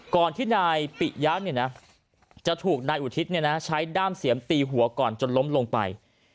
ก่อนที่นายปิยะจะถูกนายอุทิศใช้ด้ามเสียมตีหัวก่อนจนล้มลงไป